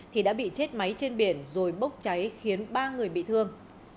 thì đã bị chết máy trên biển rồi bốc cháy khiến ba người bị thương